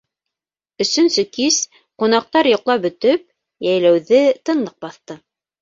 Өсөнсө кис, ҡунаҡтар йоҡлап бөтөп, йәйләүҙе тынлыҡ баҫты.